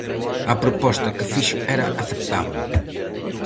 A proposta que fixo era aceptábel.